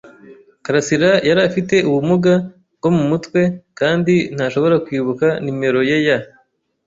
karasira yari afite ubumuga bwo mu mutwe kandi ntashobora kwibuka nimero ye ya